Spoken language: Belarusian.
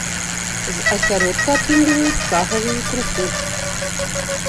З асяродка атрымліваюць сагавую крупу.